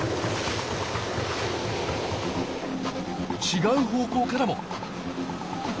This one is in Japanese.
違う方向からも。